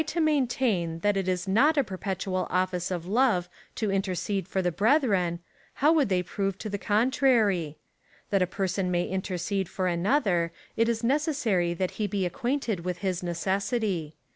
to maintain, that it is not a perpetual office of love to inter cede for the brethren, how would they prove the contrary ? That a person may intercede for another, it is necessary that he be acquainted with his necessity.